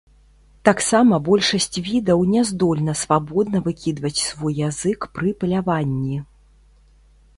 Таксама большасць відаў не здольна свабодна выкідваць свой язык пры паляванні.